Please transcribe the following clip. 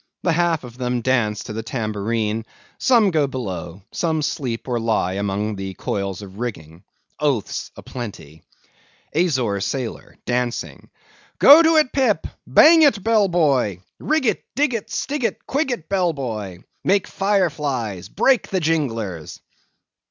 (The half of them dance to the tambourine; some go below; some sleep or lie among the coils of rigging. Oaths a plenty.) AZORE SAILOR. (Dancing) Go it, Pip! Bang it, bell boy! Rig it, dig it, stig it, quig it, bell boy! Make fire flies; break the jinglers!